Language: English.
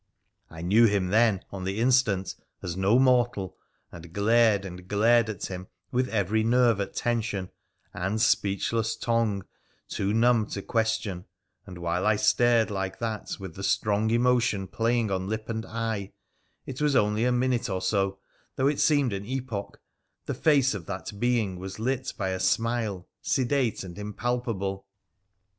I knew him then, on the instant, as no mortal, and glared, and glared at him with, every nerve at tension, and speechless tongue, too numb to question, and while I stared like that with the strong emotion playing on lip and eye — it was only a minute or so, though it seemed an epoch, the face of that being was lit by a smile, sedate and impalpable.